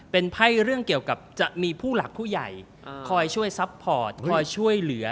เป็นไพ่เรื่องเกี่ยวกับจะมีผู้หลักผู้ใหญ่คอยช่วยซัพพอร์ตคอยช่วยเหลือ